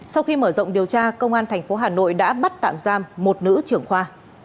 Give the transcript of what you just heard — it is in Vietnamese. sau khi mở rộng điều tra công an tp hà nội đã bắt tạm giam một nữ trưởng khoa